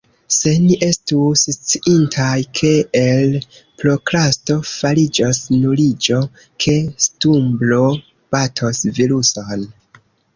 Se ni estus sciintaj ke el prokrasto fariĝos nuliĝo, ke stumblo batos viruson…